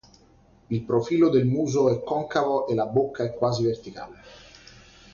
Il profilo del muso è concavo e la bocca è quasi verticale.